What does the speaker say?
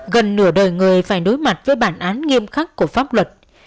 gần nửa đời người phải đối mặt với bản án nghiêm khắc của pháp luật